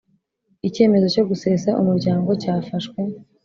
Icyemezo cyo gusesa Umuryango cyafashwe